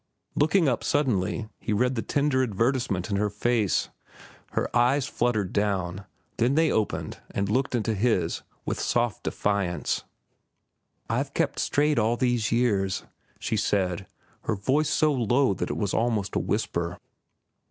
Looking up suddenly, he read the tender advertisement in her face. Her eyes fluttered down, then they opened and looked into his with soft defiance. "I've kept straight all these years," she said, her voice so low that it was almost a whisper.